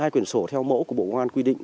hai quyển sổ theo mẫu của bộ ngoan quy định